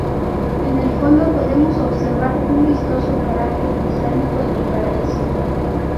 En el fondo podemos observar un vistoso paraje oceánico en el paraíso.